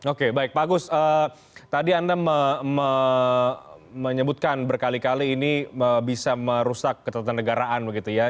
oke baik pak agus tadi anda menyebutkan berkali kali ini bisa merusak ketatanegaraan begitu ya